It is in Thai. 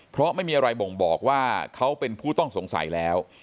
เพราะไม่มีอะไรบ่งบอกว่าเขาเป็นผู้ต้องสงสัยแล้ว